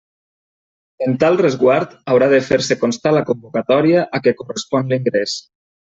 En tal resguard haurà de fer-se constar la convocatòria a què correspon l'ingrés.